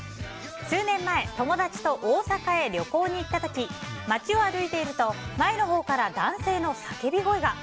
数年前、友達と大阪へ旅行に行った時街を歩いていると前のほうから男性の叫び声が。